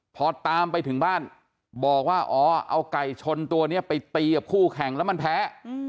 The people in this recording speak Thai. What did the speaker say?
พอตามไปถึงบ้านบอกว่าอ๋อเอาไก่ชนตัวนี้ไปตีกับคู่แข่งแล้วมันแพ้